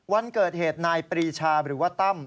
วันเกิดเหตุนายปรีชาหรือว่าตั้ม